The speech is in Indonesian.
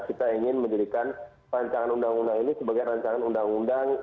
kita ingin menjadikan rancangan undang undang ini sebagai rancangan undang undang